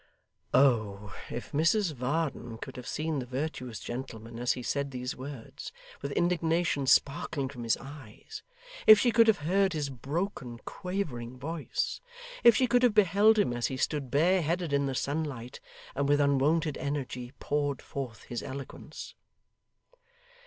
Oh! If Mrs Varden could have seen the virtuous gentleman as he said these words, with indignation sparkling from his eyes if she could have heard his broken, quavering voice if she could have beheld him as he stood bareheaded in the sunlight, and with unwonted energy poured forth his eloquence!